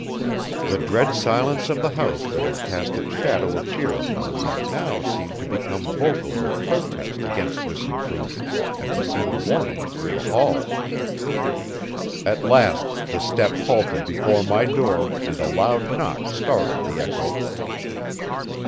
The dread silence of the house that had cast its shadow of fear upon me now seemed to become vocal with protest against this intrusion, and to send warning through the halls. At last the step halted before my door and a loud knock startled the echoes.